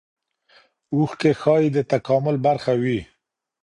اوښکې ښايي د تکامل برخه وي.